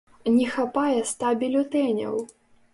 Не хапае ста бюлетэняў.